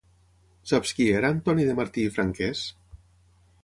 Saps qui era Antoni de Martí i Franquès?